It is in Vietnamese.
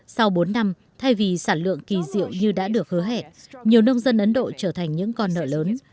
sau bốn năm thay vì sản lượng kỳ diệu như đã được hứa hẹn nhiều nông dân ấn độ trở thành những con nợ lớn